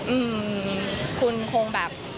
อืมคุณคงแบบ